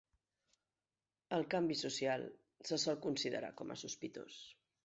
El canvi social se sol considerar com a sospitós.